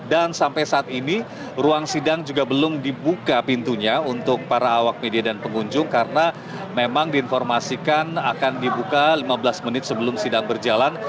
dan sampai saat ini ruang sidang juga belum dibuka pintunya untuk para awak media dan pengunjung karena memang diinformasikan akan dibuka lima belas menit sebelum sidang berjalan